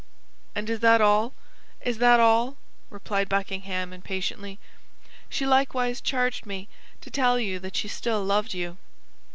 "And is that all—is that all?" replied Buckingham, impatiently. "She likewise charged me to tell you that she still loved you."